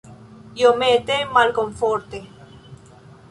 Iomete malkomforte.